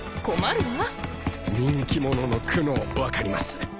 人気者の苦悩分かります。